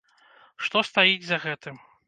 Што стаіць за гэтым?